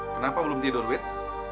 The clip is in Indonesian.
kenapa belum tidur wit